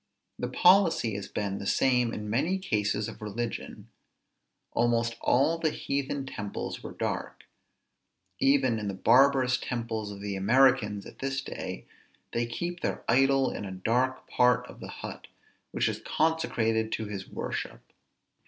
The policy has been the same in many cases of religion. Almost all the heathen temples were dark. Even in the barbarous temples of the Americans at this day, they keep their idol in a dark part of the hut, which is consecrated to his worship.